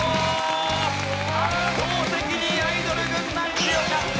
圧倒的にアイドル軍団強かった。